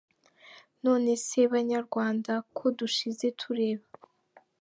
None se banyarwanda ko dushize tureba?